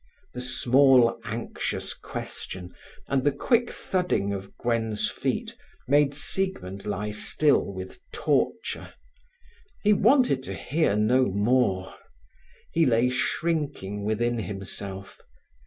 The small, anxious question, and the quick thudding of Gwen's feet, made Siegmund lie still with torture. He wanted to hear no more. He lay shrinking within himself.